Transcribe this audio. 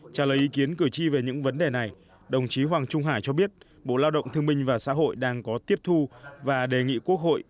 trả lời ý kiến cử tri về những vấn đề này đồng chí hoàng trung hải cho biết bộ lao động thương minh và xã hội đang có tiếp thu và đề nghị quốc hội